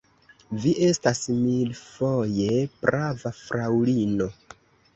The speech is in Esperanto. Vi estas milfoje prava, fraŭlino.